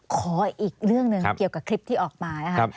ขออีกเรื่องหนึ่งเกี่ยวกับคลิปที่ออกมานะครับ